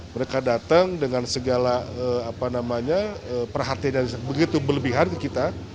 mereka datang dengan segala perhatian yang begitu berlebihan ke kita